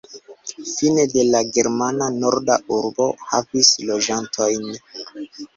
Fine de la germana, norda urbo havis loĝantojn.